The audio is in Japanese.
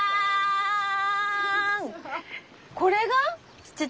これが？